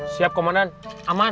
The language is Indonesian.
siap komandan aman